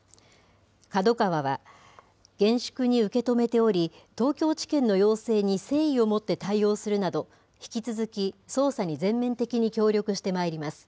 ＫＡＤＯＫＡＷＡは、厳粛に受け止めており、東京地検の要請に誠意を持って対応するなど、引き続き捜査に全面的に協力してまいります。